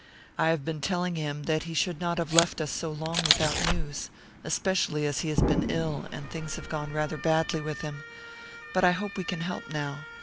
"I have been telling him that he should not have left us so long without news especially as he has been ill, and things have gone rather badly with him. But I hope we can help now.